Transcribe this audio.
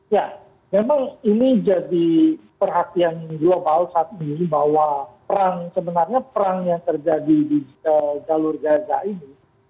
ya memang ini jadi perhatian global saat ini bahwa perang sebenarnya perang yang terjadi di jalur gaza ini